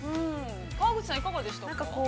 ◆川口さん、いかがでしたか。